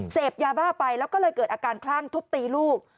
เสพยาบ้าไปแล้วก็เลยเกิดอาการคลั่งทุบตีลูก